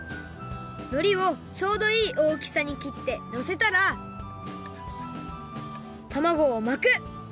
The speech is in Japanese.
のりをちょうどいいおおきさにきってのせたらたまごを巻く！